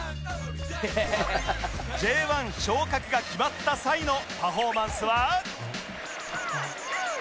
Ｊ１ 昇格が決まった際のパフォーマンスは